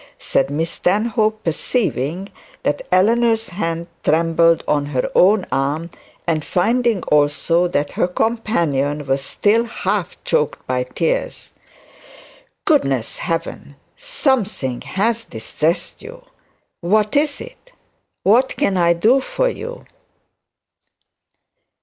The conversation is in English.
said Miss Stanhope, perceiving that Eleanor's hand trembled on her own arm, and finding also that her companion was still half choked with tears. 'Goodness heaven! Something has distressed you. What is it? What can I do for you?'